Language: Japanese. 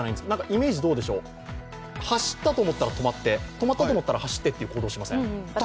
イメージどうでしょう、走ったと思ったら止まって止まったと思ったら走ったと。